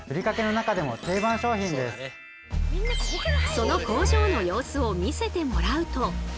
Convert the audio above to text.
その工場の様子を見せてもらうと。